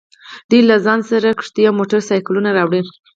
دوی له ځان سره کښتۍ او موټر سایکلونه راوړي